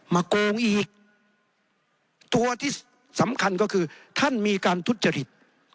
โกงอีกตัวที่สำคัญก็คือท่านมีการทุจริต